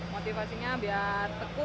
motivasinya biar tegur